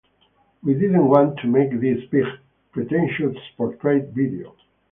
We didn't want to make this big, pretentious portrait video.